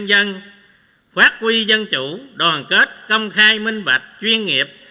tiếp tục tăng cường công tác đối ngoại nhân dân phát huy dân chủ đoàn kết công khai minh bạch chuyên nghiệp